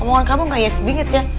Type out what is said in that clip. omongan kamu gak yes bingit ya